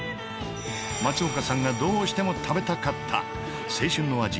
松岡さんがどうしても食べたかった青春の味